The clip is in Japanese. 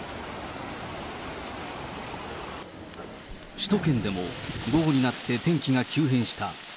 首都圏でも、午後になって天気が急変した。